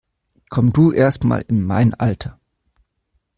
Komm du erst mal in mein Alter!